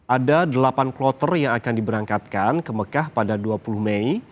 ada delapan kloter yang akan diberangkatkan ke mekah pada dua puluh mei